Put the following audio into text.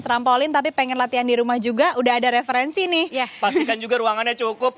trampolin tapi pengen latihan di rumah juga udah ada referensi nih ya pastikan juga ruangannya cukup